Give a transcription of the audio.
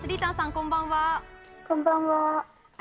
こんばんは。